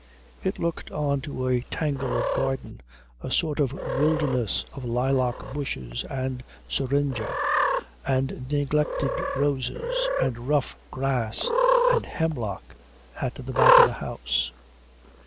It looked on to a tangle of garden, a sort of wilderness of lilac bushes and syringa and neglected roses and rough grass and hemlock at the back of the house.